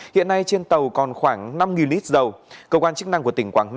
hiện nay trên tàu còn khoảng năm lít dầu